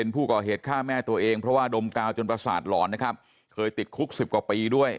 เพราะว่าดมกาวจนประสาทหลอนนะครับเคยติดคุก๑๐กว่าปีด้วย